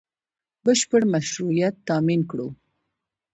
بشپړ مشروعیت تامین کړو